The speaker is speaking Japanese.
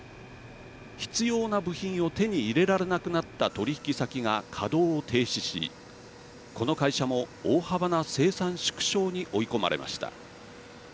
必要な部品を手に入れられなくなった取引先が稼働を停止しこの会社も大幅な生産縮小に追い込まれました。